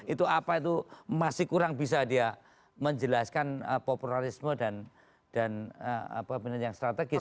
itu apa itu masih kurang bisa dia menjelaskan populisme dan yang strategis